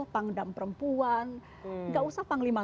pangdam perempuan gak usah panglima